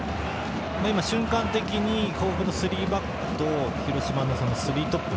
瞬間的に甲府のスリーバックと広島のスリートップ